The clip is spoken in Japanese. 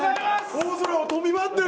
大空を飛び回ってる！